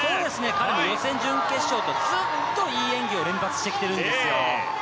彼は予選、準決勝とずっといい演技を連発してきているんですよ。